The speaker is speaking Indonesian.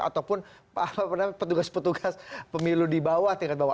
ataupun petugas petugas pemilu di bawah tingkat bawah